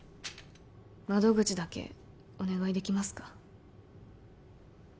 窓口だけお願いできますか？